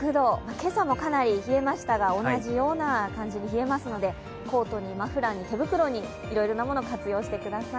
今朝もかなり冷えましたが同じような感じで冷えますのでコートにマフラーに手袋に、いろいろな物、活用してください。